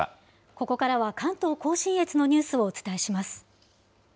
ここからは関東甲信越のニュースをお伝えします。